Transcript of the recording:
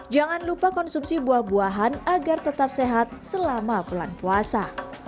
jangan lupa konsumsi buah buahan agar tetap sehat selama bulan puasa